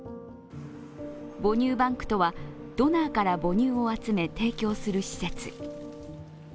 母乳バンクとは、ドナーから母乳を集め提供する施設。